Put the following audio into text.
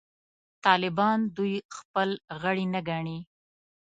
طالبان دوی خپل غړي نه ګڼي.